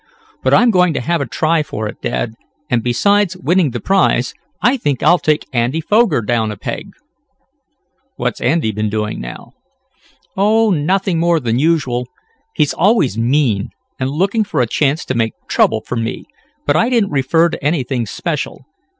But I'm going to have a try for it, dad, and, besides winning the prize, I think I'll take Andy Foger down a peg. "What's Andy been doing now?" "Oh, nothing more than usual. He's always mean, and looking for a chance to make trouble for me, but I didn't refer to anything special.